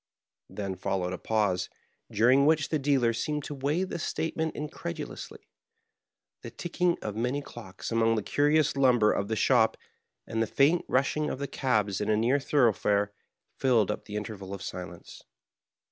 Then followed a pause, during which the dealer seemed to weigh this statement incredulously. The ticking of many clocks among the curious lumber of the Digitized by VjOOQIC 54 MARKHEIM. shop, and the faint rushing of the cabs in a near thor oughfare, filled up the interval of silence.